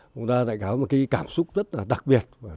chúng ta đã gặp một cái cảm xúc rất là đặc biệt